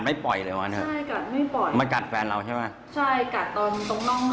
แล้วก็บอกหนูก็เลยหยิบมีดเพื่อจะเอามันออกอะไรอย่างนี้